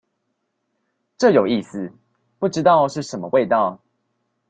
這有意思，不知道是什麼味道